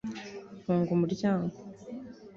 funga umuryango